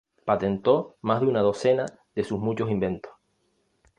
Patentó más de una docena de sus muchos inventos.